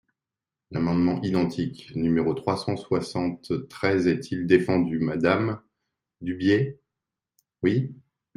» L’amendement identique numéro trois cent soixante-treize est-il défendu, madame Dubié ? Oui.